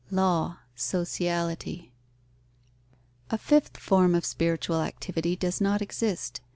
Law; sociality._ A fifth form of spiritual activity does not exist.